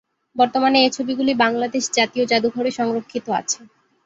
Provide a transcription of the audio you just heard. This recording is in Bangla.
বর্তমানে এ ছবিগুলি বাংলাদেশ জাতীয় জাদুঘরে সংরক্ষিত আছে।